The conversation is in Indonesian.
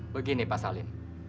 begini pak salim